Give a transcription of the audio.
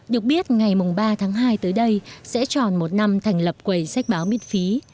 được biết ngày ba tháng hai tới đây sẽ tròn một năm thành lập quầy sách báo miễn phí